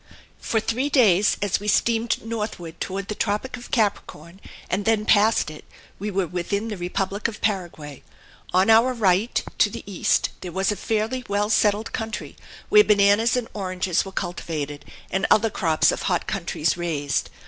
For three days, as we steamed northward toward the Tropic of Capricorn, and then passed it, we were within the Republic of Paraguay. On our right, to the east, there was a fairly well settled country, where bananas and oranges were cultivated and other crops of hot countries raised.